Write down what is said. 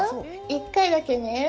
１回だけね。